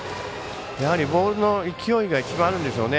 やはりボールの勢いが一番あるんですよね。